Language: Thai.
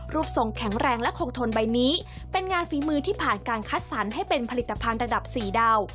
ทรงแข็งแรงและคงทนใบนี้เป็นงานฝีมือที่ผ่านการคัดสรรให้เป็นผลิตภัณฑ์ระดับสี่ดาว